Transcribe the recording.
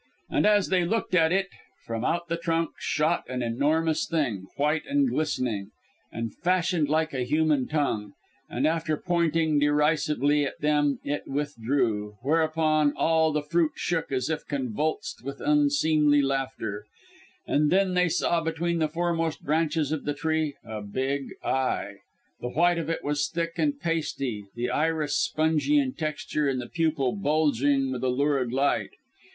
And as they looked at it, from out the trunk, shot an enormous thing white and glistening, and fashioned like a human tongue. And after pointing derisively at them, it withdrew; whereupon all the fruit shook, as if convulsed with unseemly laughter. They then saw between the foremost branches of the tree a big eye. The white of it was thick and pasty, the iris spongy in texture, and the pupil bulging with a lurid light.